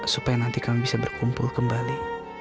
supaya nanti kami bisa berkumpul kembali